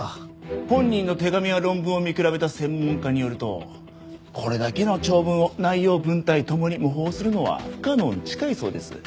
本人の手紙や論文を見比べた専門家によるとこれだけの長文を内容文体ともに模倣するのは不可能に近いそうです。